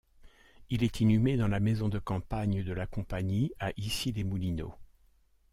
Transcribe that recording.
Il est inhumé dans la maison de campagne de la compagnie à Issy-les-Moulineaux.